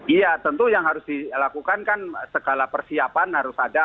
iya tentu yang harus dilakukan kan segala persiapan harus ada